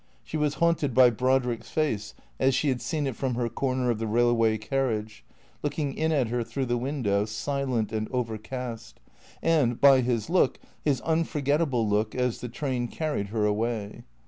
She was haunted by Brodrick's face as she had seen it from her corner of the rail way carriage, looking in at her through the window, silent and overcast, and by his look, his unforgettable look as the train car ried her away.